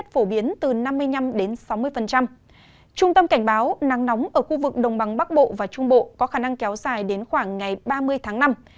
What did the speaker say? trung tâm cảnh báo nắng nóng ở khu vực đồng bằng bắc bộ và trung bộ có khả năng kéo dài đến khoảng ngày ba mươi tháng năm